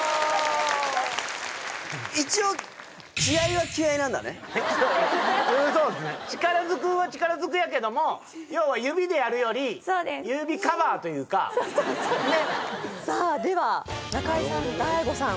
一応一応そうすね力ずくは力ずくやけども要は指でやるよりそうですそうというかねっさあでは中居さん大悟さん